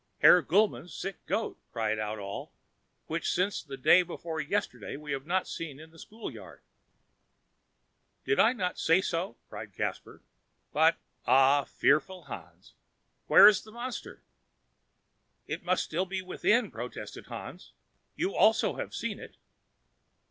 "Herr Gulmann's sick goat!" cried out all, "which, since the day before yesterday, we have not seen in the schoolyard." "Did I not say so?" cried Caspar. "But, ah, fearful Hans! where is the monster?" "That must still be within," protested Hans. "You also have seen it."